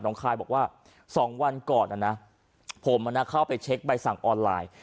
คายบอกว่า๒วันก่อนนะนะผมเข้าไปเช็คใบสั่งออนไลน์